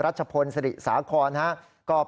เพราะว่ามีทีมนี้ก็ตีความกันไปเยอะเลยนะครับ